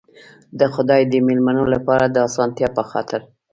د خدای د مېلمنو لپاره د آسانتیا په خاطر.